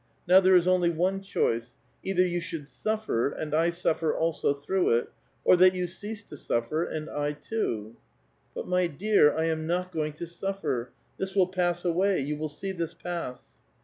Now there is only one choice : either you should suffer, and I suffer also through it, or that you cease sutfer, and I too." ^^But, my dear,^ I am not going to suffer; this will pass '^^^y » you will see this pass."